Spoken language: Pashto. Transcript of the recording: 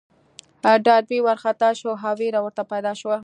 ډاربي وارخطا شو او وېره ورته پيدا شوه.